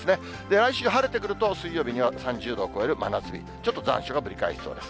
来週、晴れてくると、水曜日には３０度を超える真夏日、ちょっと残暑がぶり返しそうです。